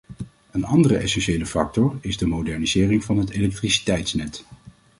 Een andere essentiële factor is de modernisering van het elektriciteitsnet.